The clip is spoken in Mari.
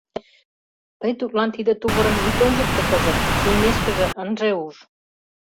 — Тый тудлан тиде тувырым ит ончыкто кызыт, чийымешкыже ынже уж.